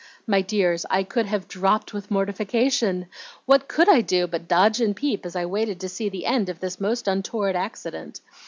"My dears, I could have dropped with mortification! What COULD I do but dodge and peep as I waited to see the end of this most untoward accident?